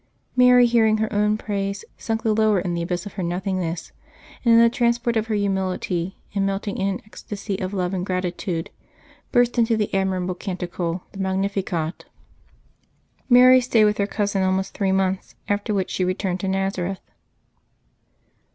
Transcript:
Mary, hearing her own praise, sunk the lower in the abyss of her nothingness, and in the transport of her humility, and melting in an ecstasy of love and gratitude, burst into that admirable canticle, the Mag 7iificat. Mary stayed with her cousin almost three months, after which she returned to JSTazareth.